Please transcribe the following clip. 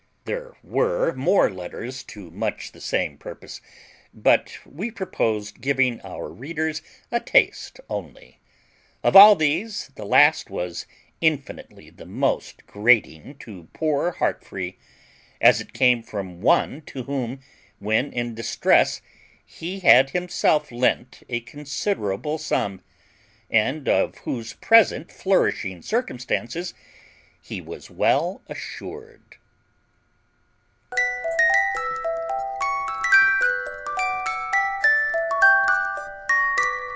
There were more letters to much the same purpose; but we proposed giving our readers a taste only. Of all these, the last was infinitely the most grating to poor Heartfree, as it came from one to whom, when in distress, he had himself lent a considerable sum, and of whose present flourishing circumstances he was well assured.